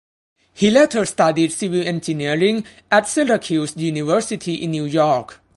He later studied civil engineering at Syracuse University in New York.